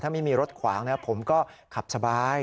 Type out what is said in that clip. ถ้าไม่มีรถขวางนะครับผมก็ขับสบาย